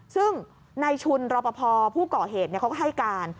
ซึ่งในชุนรอปภผู้ก่อเหตุเขาก็ให้การ